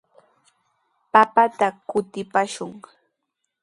Papata kutipaashun.